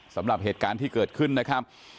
สำหรับเหตุการณ์ที่เกิดขึ้นนะครับ